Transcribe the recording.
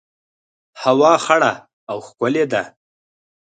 هوا خړه او ښکلي ده